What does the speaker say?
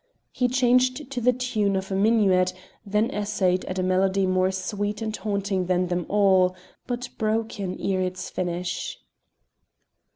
He changed to the tune of a minuet, then essayed at a melody more sweet and haunting than them all, but broken ere its finish.